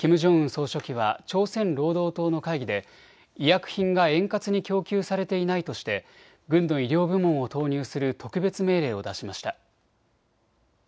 総書記は朝鮮労働党の会議で医薬品が円滑に供給されていないとして軍の医療部門を投入する特別命令を出しました。